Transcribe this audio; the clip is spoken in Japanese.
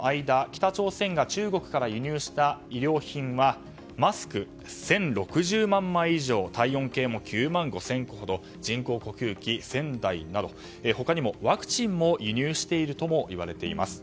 北朝鮮が中国から輸入した医療品はマスク１０６０万枚以上体温計も９万５０００個ほど人工呼吸器は１０００台など他にもワクチンも輸入しているともいわれています。